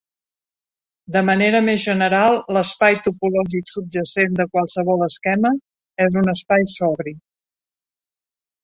De manera més general, l'espai topològic subjacent de qualsevol esquema és un espai sobri.